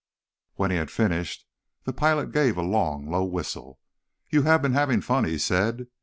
When he had finished, the pilot gave a long, low whistle. "You have been having fun," he said.